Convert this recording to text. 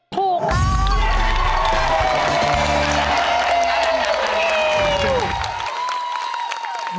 ขอบคุณครับขอบคุณครับ